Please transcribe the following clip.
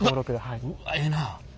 うわっええな。